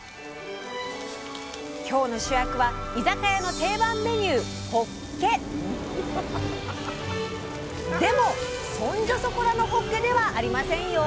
今日の主役は居酒屋の定番メニューでもそんじょそこらのほっけではありませんよ！